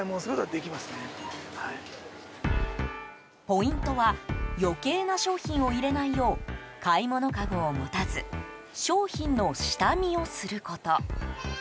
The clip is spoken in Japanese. ポイントは余計な商品を入れないよう買い物かごを持たず商品の下見をすること。